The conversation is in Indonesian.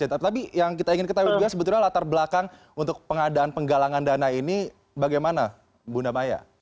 tapi yang kita ingin ketahui juga sebetulnya latar belakang untuk pengadaan penggalangan dana ini bagaimana bunda maya